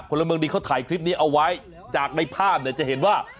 ละเมืองดีเขาถ่ายคลิปนี้เอาไว้จากในภาพเนี่ยจะเห็นว่า